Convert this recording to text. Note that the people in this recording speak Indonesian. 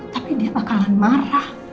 tapi dia bakalan marah